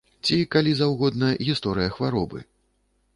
Ці, калі заўгодна, гісторыя хваробы.